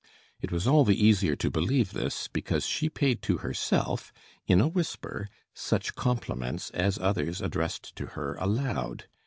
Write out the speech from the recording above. It was all the easier to believe this, because she paid to herself in a whisper such compliments as others addressed to her aloud.